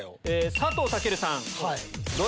佐藤健さん。